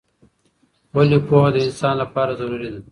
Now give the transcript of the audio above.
ولې پوهه د انسان لپاره ضروری ده؟